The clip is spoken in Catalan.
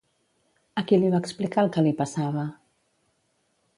A qui li va explicar el que li passava?